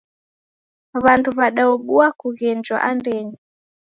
Wandu wadaobua kughenjwa andenyi.